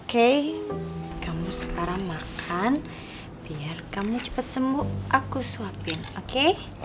oke kamu sekarang makan biar kamu cepat sembuh aku suapin oke